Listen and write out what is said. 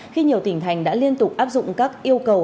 khi nhiều tỉnh thành đã liên tục áp dụng các yêu cầu